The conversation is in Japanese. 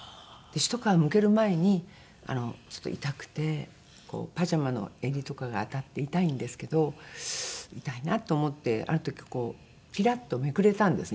ひと皮むける前にあのちょっと痛くてパジャマの襟とかが当たって痛いんですけど痛いなと思ってある時こうピラッとめくれたんですね